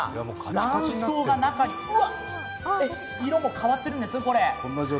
卵巣が中に、うわっ、色も変わってるんですね、これ。